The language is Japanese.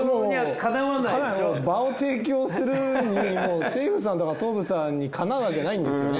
かなわない場を提供するに西武さんとか東武さんにかなうわけないんですよね。